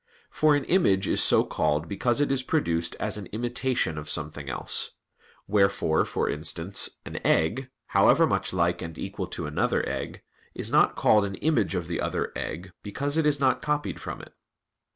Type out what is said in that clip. For an "image" is so called because it is produced as an imitation of something else; wherefore, for instance, an egg, however much like and equal to another egg, is not called an image of the other egg, because it is not copied from it.